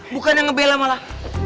bukan yang ngebela malah